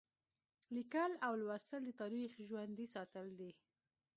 لیکل او لوستل د تاریخ ژوندي ساتل دي.